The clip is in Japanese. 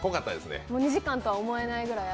２時間とは思えないぐらいで。